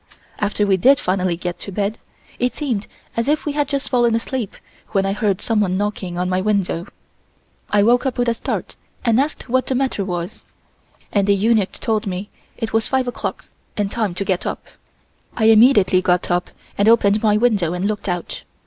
After we did finally get to bed, it seemed as if we had just fallen asleep when I heard someone knocking on my window. I woke up with a start and asked what the matter was and a eunuch told me it was five o'clock and time to get up. I immediately got up and opened my window and looked out.